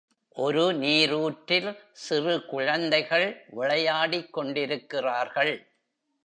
ஒரு நீரூற்றில் சிறு குழந்தைகள் விளையாடிக் கொண்டிருக்கிறார்கள்.